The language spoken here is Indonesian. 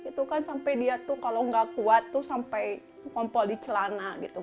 itu kan sampai dia kalau tidak kuat sampai kompoli cinta